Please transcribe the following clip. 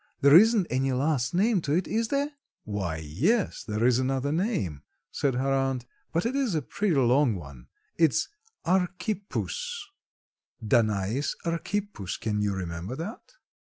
There isn't any last name to it, is there?" "Why, yes, there is another name," said her aunt, "but it is a pretty long one. It is Archippus, Danais Archippus; can you remember that?"